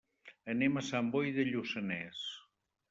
Anem a Sant Boi de Lluçanès.